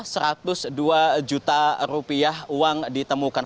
sejauh ini sudah satu ratus dua juta rupiah uang ditemukan